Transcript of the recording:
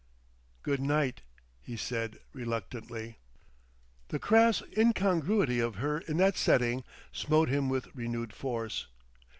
"Good night," he said reluctantly. The crass incongruity of her in that setting smote him with renewed force.